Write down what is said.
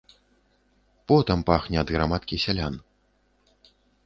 Потам пахне ад грамадкі сялян.